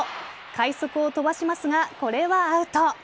快足を飛ばしますがこれはアウト。